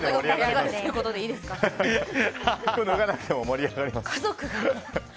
服脱がなくても盛り上がります。